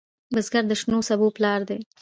بزګر د شنو سبو پلار دی